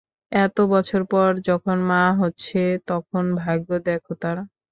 এতো বছর পর যখন মা হচ্ছে, তখন ভাগ্য দেখো তার।